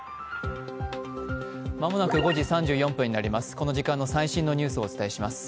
この時間の最新のニュースをお伝えします。